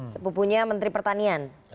sepupunya menteri pertanian